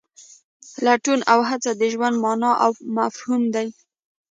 لټون او هڅه د ژوند مانا او مفهوم دی.